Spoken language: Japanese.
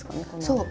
そう。